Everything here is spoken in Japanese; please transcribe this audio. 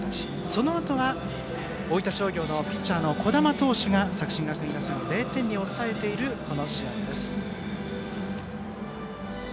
そのあとは大分商業のピッチャーの児玉投手が作新学院打線を０点に抑えているこの試合です。